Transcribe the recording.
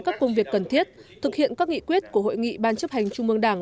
các công việc cần thiết thực hiện các nghị quyết của hội nghị ban chấp hành trung mương đảng